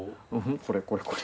これこれこれ。